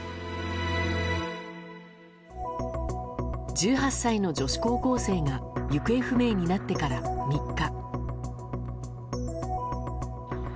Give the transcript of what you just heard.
１８歳の女子高校生が行方不明になってから３日。